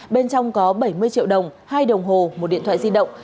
bên trong có bảy mươi triệu đồng hai đồng hồ một điện thoại di động